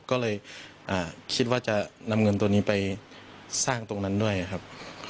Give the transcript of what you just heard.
ก็เลยคิดว่าจะนำเงินตัวนี้ไปสร้างตรงนั้นด้วยครับ